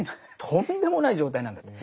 とんでもない状態なんだと。